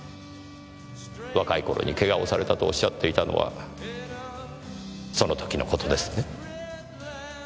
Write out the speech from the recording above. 若い頃に怪我をされたとおっしゃっていたのはその時の事ですね。